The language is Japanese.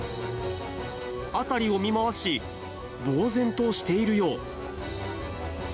辺りを見回し、ぼう然としているよう。